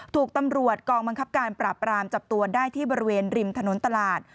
ถูกตำรวจกองบังคับการปราบรามจับตัวได้ที่บริเวณริมถนนตลาด